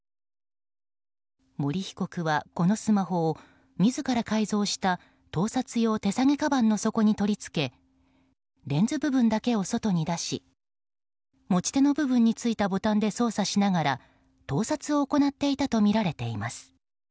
森被告はこのスマホを自ら改造した盗撮用手提げかばんの底に取り付けレンズ部分だけを外に出し持ち手の部分についたボタンで操作しながら盗撮を行っていたとみられています。